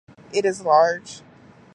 It is large.